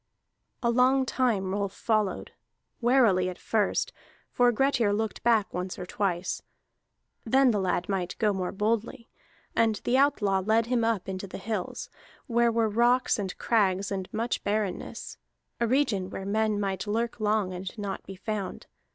A long time Rolf followed, warily at first, for Grettir looked back once or twice; then the lad might go more boldly. And the outlaw led him up into the hills, where were rocks and crags and much barrenness, a region where men might lurk long and not be found.